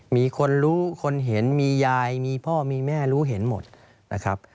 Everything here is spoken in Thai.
มีคนรู้คนเห็นมียายมีพ่อมีแม่รู้เห็นหมดนะครับ